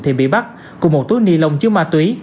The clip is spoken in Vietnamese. thì bị bắt cùng một túi ni lông chứa ma túy